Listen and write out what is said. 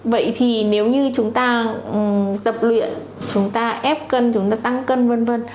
vậy thì nếu như chúng ta tập luyện chúng ta ép cân chúng ta tăng cân v v